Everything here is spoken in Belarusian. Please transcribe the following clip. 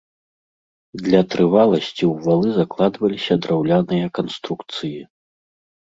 Для трываласці ў валы закладваліся драўляныя канструкцыі.